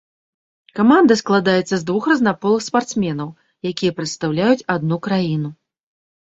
Каманда складаецца з двух разнаполых спартсменаў, якія прадстаўляюць адну краіну.